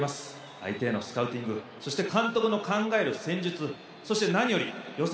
相手へのスカウティングそして監督の考える戦術そして何より予選